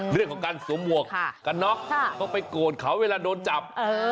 เรื่องของการสวมหมวกกันน็อกต้องไปโกรธเขาเวลาโดนจับ